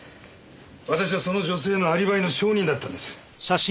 私はその女性のアリバイの証人だったんです。